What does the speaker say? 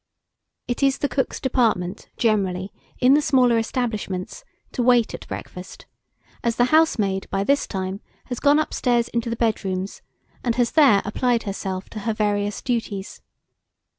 It is the cook's department, generally, in the smaller establishments, to wait at breakfast, as the housemaid, by this time, has gone up stairs into the bedrooms, and has there applied herself to her various duties.